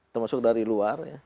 termasuk dari luar